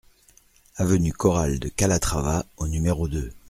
Avenue Corral de Calatrava au numéro deux